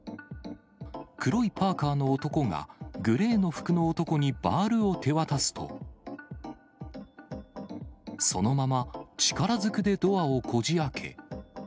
黒いパーカーの男がグレーの服の男にバールを手渡すと、そのまま、力ずくでドアをこじあけ。